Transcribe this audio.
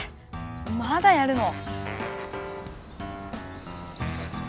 まだやるの？